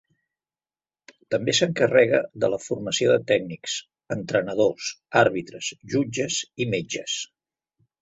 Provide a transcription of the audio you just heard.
També s'encarrega de la formació de tècnics, entrenadors, àrbitres, jutges i metges.